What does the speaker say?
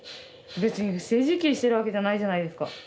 別に不正受給してるわけじゃないじゃないですか。